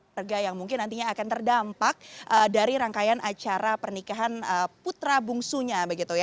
warga yang mungkin nantinya akan terdampak dari rangkaian acara pernikahan putra bungsunya